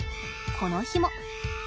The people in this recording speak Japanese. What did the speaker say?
この日も。